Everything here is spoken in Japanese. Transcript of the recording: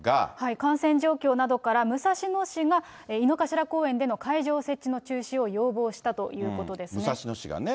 感染状況などから、武蔵野市が井の頭公園での会場設置の中止を要望したということで武蔵野市がね。